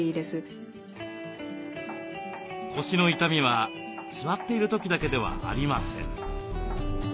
腰の痛みは座っている時だけではありません。